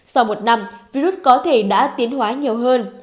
sau một năm virus có thể đã tiến hóa nhiều hơn